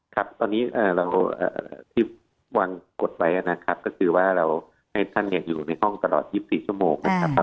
ครับตอนนี้เราที่วางกฎไว้นะครับก็คือว่าเราให้ท่านอยู่ในห้องตลอด๒๔ชั่วโมงนะครับ